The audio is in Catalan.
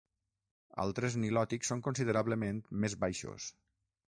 Altres nilòtics són considerablement més baixos.